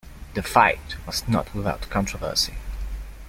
The fight was not without controversy.